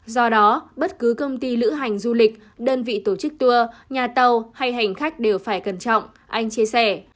do đó bất cứ công ty lữ hành du lịch đơn vị tổ chức tour nhà tàu hay hành khách đều phải cẩn trọng anh chia sẻ